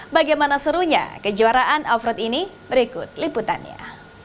bagaimana serunya kejuaraan offroad ini berikut liputannya